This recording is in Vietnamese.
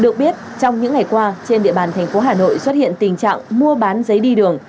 được biết trong những ngày qua trên địa bàn thành phố hà nội xuất hiện tình trạng mua bán giấy đi đường